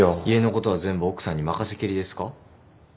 家のことは全部奥さんに任せきりですか？